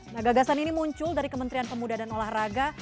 nah gagasan ini muncul dari kementerian pemuda dan olahraga